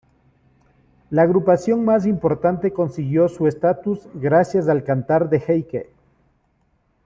La agrupación más importante consiguió su estatus gracias al Cantar de Heike.